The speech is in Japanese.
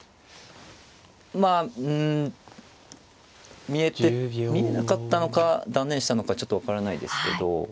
まあうん見えなかったのか断念したのかちょっと分からないですけど。